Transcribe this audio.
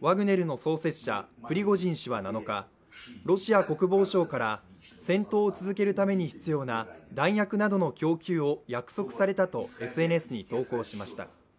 ワグネルの創始者・プリゴジン氏は７日、ロシア国防省から戦闘を続けるために必要な弾薬などの供給を約束されたとＳＮＳに投稿しました。